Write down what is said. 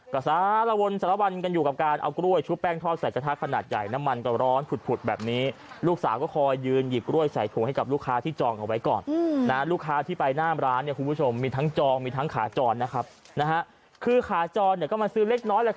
ก็สารวนสละวันกันอยู่กับการเอากล้วยชุบแป้งทอดใส่กระทะขนาดใหญ่